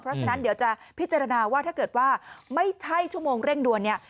เพราะฉะนั้นเดี๋ยวจะพิจารณาว่าถ้าเกิดว่าไม่ใช่ชั่วโมงเร่งด่วนเนี่ย